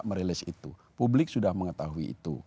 merilis itu publik sudah mengetahui itu